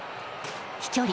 飛距離